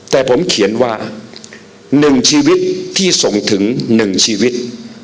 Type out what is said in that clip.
แต่ผมเขียนว่าหนึ่งชีวิตที่ทรงถึงหนึ่งชีวิต